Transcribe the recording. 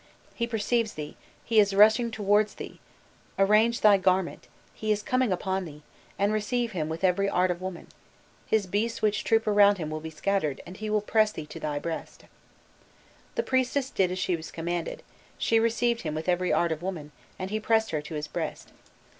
He perceives thee, he is rushing towards thee, arrange thy garment; he is coming upon thee, receive him with every art of woman; his beasts which troop around him will be scattered, and he will press thee to his breast." The priestess did as she was commanded; she received him with every art of woman, and he pressed her to his breast.